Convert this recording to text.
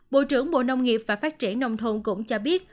bộ trưởng bộ nông nghiệp và phát triển nông thôn cũng cho biết